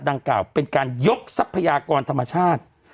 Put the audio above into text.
ดังกล่าวเป็นการยกทรัพยากรธรรมชาติ